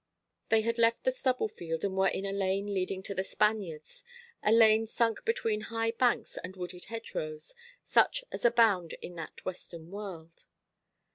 They had left the stubble field, and were in a lane leading to The Spaniards, a lane sunk between high banks and wooded hedgerows, such as abound in that western world.